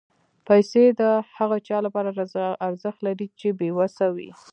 پېسې د هغه چا لپاره ارزښت لري چې بېوسه وي.